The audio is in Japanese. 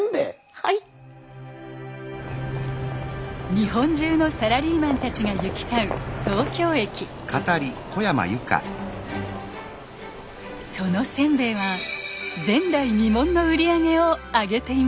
日本中のサラリーマンたちが行き交うそのせんべいは前代未聞の売り上げをあげていました。